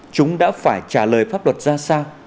chúng đã phải trả lời pháp luật ra sao